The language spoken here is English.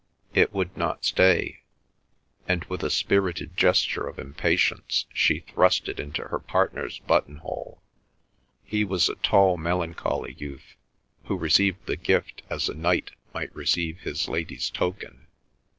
It would not stay, and, with a spirited gesture of impatience, she thrust it into her partner's button hole. He was a tall melancholy youth, who received the gift as a knight might receive his lady's token.